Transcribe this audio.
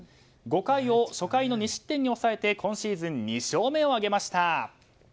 ５回を初回の２失点に抑えて今シーズン２勝目を挙げました。